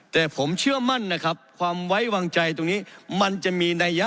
แต่ผมเชื่อมั่นนะครับ